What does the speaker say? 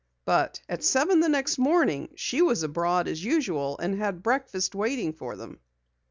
But at seven the next morning she was abroad as usual and had breakfast waiting for them.